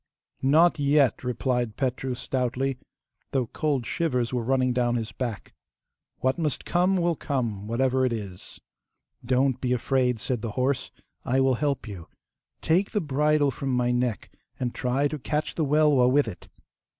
'Not yet,' replied Petru stoutly, though cold shivers were running down his back. 'What must come will come, whatever it is.' 'Don't be afraid,' said the horse. 'I will help you. Take the bridle from my neck, and try to catch the Welwa with it.